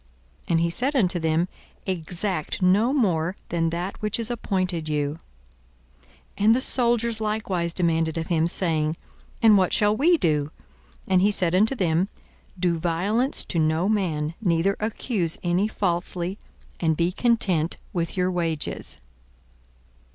42:003:013 And he said unto them, Exact no more than that which is appointed you. 42:003:014 And the soldiers likewise demanded of him, saying, And what shall we do? And he said unto them, Do violence to no man, neither accuse any falsely; and be content with your wages.